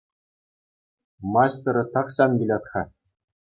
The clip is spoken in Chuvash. Маҫтӑрӗ тахҫан килет-ха.